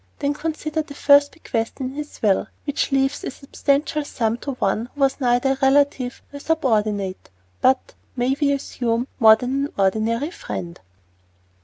Then consider the first bequest in his will, which leaves a substantial sum to one who was neither a relative nor a subordinate, but may we assume more than an ordinary friend?